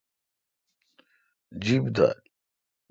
جِیب دال۔